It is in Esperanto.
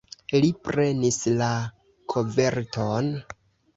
Li prenis la koverton.